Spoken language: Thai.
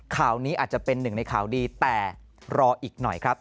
ข่าวนี้อาจจะเป็นหนึ่งในข่าวดีแต่รออีกหน่อยครับ